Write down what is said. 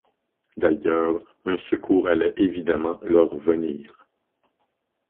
D’ailleurs un secours allait évidemment leur venir.